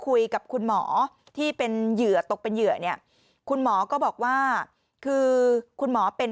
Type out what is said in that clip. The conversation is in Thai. คุยกับคุณหมอที่เป็นเหยื่อตกเป็นเหยื่อเนี่ยคุณหมอก็บอกว่าคือคุณหมอเป็น